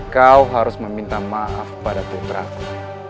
kau harus meminta maaf pada putraku